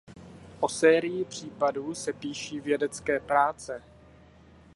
O sérii případů se píší vědecké práce.